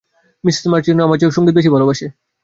Mrs Murchison আমার চেয়েও সংগীত বেশি ভালোবাসে।